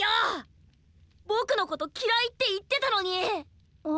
ボクのこときらいっていってたのに！